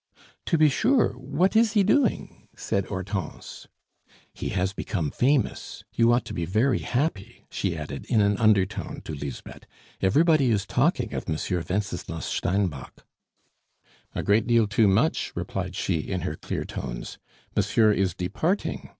"To be sure, what is he doing?" said Hortense. "He has become famous. You ought to be very happy," she added in an undertone to Lisbeth. "Everybody is talking of Monsieur Wenceslas Steinbock." "A great deal too much," replied she in her clear tones. "Monsieur is departing.